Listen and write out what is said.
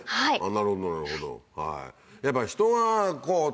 なるほどなるほど。